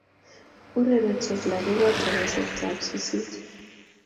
Iurerensot lagook kab tarasetab sisit